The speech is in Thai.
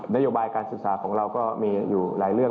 นโยบายการศึกษาของเราก็มีอยู่หลายเรื่อง